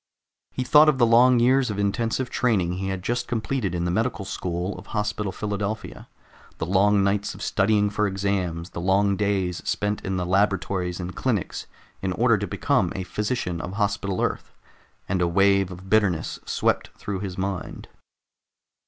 He thought of the long years of intensive training he had just completed in the medical school of Hospital Philadelphia, the long nights of studying for exams, the long days spent in the laboratories and clinics in order to become a physician of Hospital Earth, and a wave of bitterness swept through his mind.